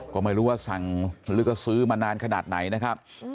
ก็ไม่รู้ว่าสั่งหรือก็ซื้อมานานขนาดไหนนะครับ